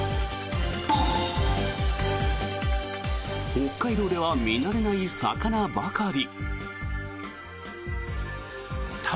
北海道では見慣れない魚ばかり。